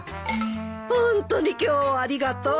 ホントに今日はありがとう。